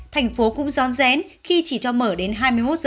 thành phố cũng don rén khi chỉ cho mở đến hai mươi một h